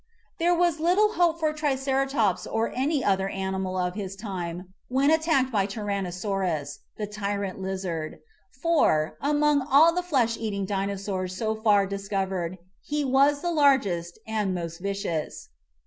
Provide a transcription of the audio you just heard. There was little hope for Triceratops or any other animal of his time when attacked by Tyrannosaurus the Tyrant Lizard for, among all the flesh eating Dinosaurs so far discovered, he was the largest and most vicious.